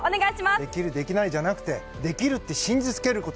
できるできないじゃなくてできるって信じ続けること。